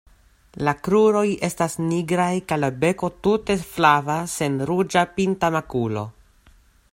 La kruroj estas nigraj kaj la beko tute flava sen ruĝa pinta makulo.